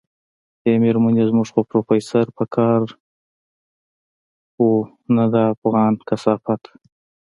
ای مېرمنې زموږ خو پروفيسر په کار و نه دا افغان کثافت.